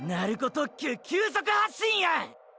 特急急速発進や！！